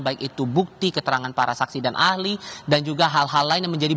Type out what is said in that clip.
baik itu bukti keterangan para saksi dan ahli dan juga hal hal lain yang menjadi